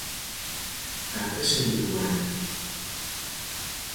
ارتش نیرومند